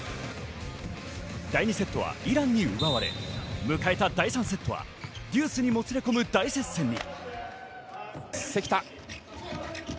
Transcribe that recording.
第２セットはイランに奪われ、迎えた第３セットはジュースにもつれ込む大接戦に。